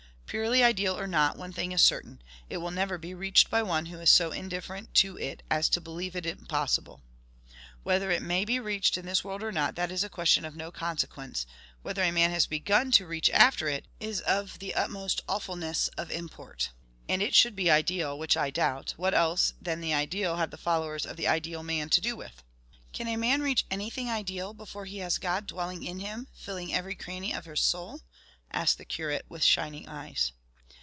"Purely ideal or not, one thing is certain: it will never be reached by one who is so indifferent to it as to believe it impossible. Whether it may be reached in this world or not, that is a question of NO consequence; whether a man has begun to REACH AFTER it, is of the utmost awfulness of import. And should it be ideal, which I doubt, what else than the ideal have the followers of the ideal man to do with?" "Can a man reach anything ideal before he has God dwelling in him filling every cranny of his soul?" asked the curate with shining eyes.